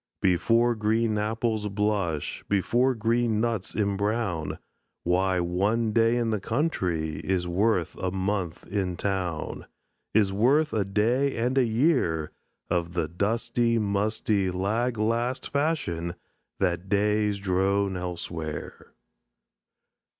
Before green apples blush, Before green nuts embrown, Why, one day in the country Is worth a month in town; Is worth a day and a year Of the dusty, musty, lag last fashion That days drone elsewhere.